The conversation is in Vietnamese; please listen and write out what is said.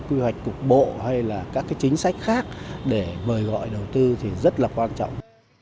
quy hoạch cục bộ hay là các cái chính sách khác để mời gọi đầu tư thì rất là quan trọng